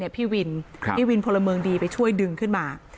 พี่วินพี่วินพลเมืองดีไปช่วยดึงขึ้นมา